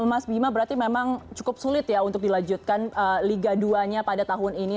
mas bima berarti memang cukup sulit ya untuk dil exhiltkin tiga duanya pada tahun ini